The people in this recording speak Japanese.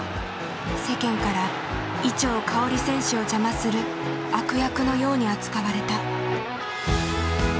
世間から伊調馨選手を邪魔する悪役のように扱われた。